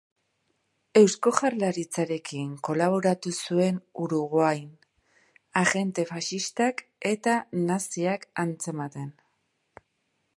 Eusko Jaurlaritzarekin kolaboratu zuen Uruguain agente faxistak eta naziak atzematen.